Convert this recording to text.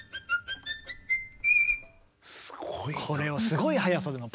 すごいな。